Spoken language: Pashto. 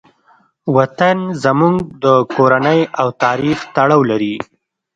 وطن زموږ د کورنۍ او تاریخ تړاو لري.